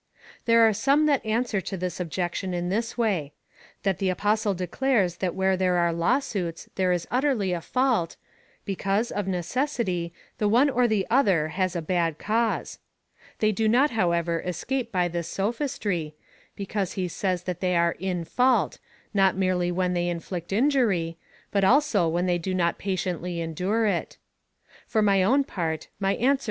'' There are some that answer this objection in this way — that the Apostle declares that where there are law suits there is utterly a fault, because, of necessity, the one or the other has a bad cause. They do not, however, escape by this sophistry, because he says that they are in fault, not merely when they inflict injury, but also when 1 " Aiseement abbatu et irrite;" — "Easily Inirt and irritated."